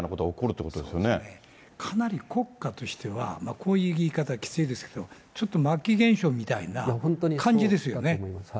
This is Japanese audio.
そうですね、かなり国家としては、こういう言い方はきついですけれども、ちょっと末期現象みたいな感じですよね。